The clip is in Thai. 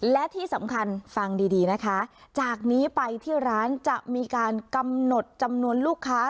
และที่สำคัญฟังดีดีนะคะจากนี้ไปที่ร้านจะมีการกำหนดจำนวนลูกค้า